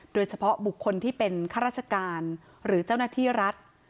โดยเฉพาะบุคคลที่เป็นข้าราชการหรือเจ้าหน้าที่รัฐ